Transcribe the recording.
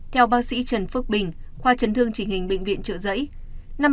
theo bác sĩ trần phước bình khoa chấn thương trình hình bệnh viện trợ giấy